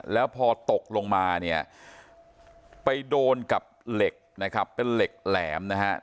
แล้วพอตกลงมาเนี่ยไปโดนกับเหล็กนะครับเป็นเหล็กแหลมนะฮะ